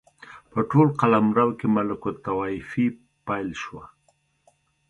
په ټول قلمرو کې ملوک الطوایفي پیل شوه.